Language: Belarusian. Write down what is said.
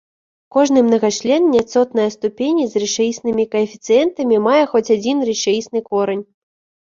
Кожны мнагачлен няцотнае ступені з рэчаіснымі каэфіцыентамі мае хоць адзін рэчаісны корань.